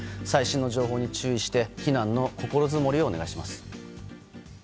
最新の情報に注意して、避難の心づもりをお願いします。